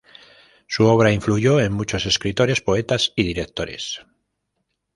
Su obra influyó en muchos escritores, poetas y directores.